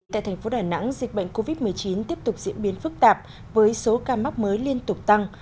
tại thành phố đà nẵng dịch bệnh covid một mươi chín tiếp tục diễn biến phức tạp với số ca mắc mới liên tục tăng